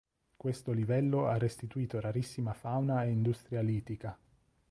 Questo livello ha restituito rarissima fauna e industria litica.